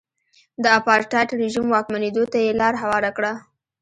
د اپارټاید رژیم واکمنېدو ته یې لار هواره کړه.